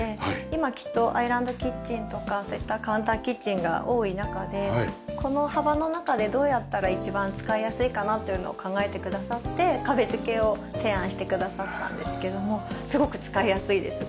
今きっとアイランドキッチンとかそういったカウンターキッチンが多い中でこの幅の中でどうやったら一番使いやすいかなというのを考えてくださって壁付けを提案してくださったんですけどもすごく使いやすいです。